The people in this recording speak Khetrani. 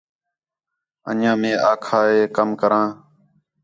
اَن٘ڄیاں مئے آکھا ہے کَم کراں